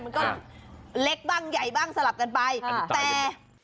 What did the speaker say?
มันก็เล็กบ้างใหญ่บ้างสลับกันไปแต่